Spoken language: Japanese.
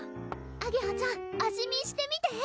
あげはちゃん味見してみて！